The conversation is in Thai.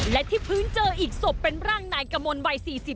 และที่พื้นเจออีกศพเป็นร่างนายกมลวัย๔๔